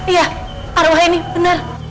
iya arwah ini benar